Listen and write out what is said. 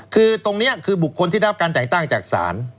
คือตรงนี้คือบุคคลที่รับการแต่งตั้งจากศาล